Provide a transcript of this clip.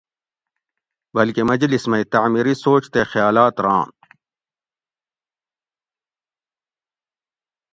بلکہ مجلس مئی تعمیری سوچ تے خیالات ران